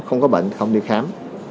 không có bệnh thì không đi khám